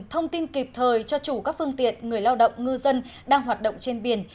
thông tin kịp thời cho chủ các phương tiện người lao động ngư dân đang hoạt động trên biển